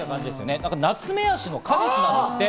ナツメヤシの果実なんですって。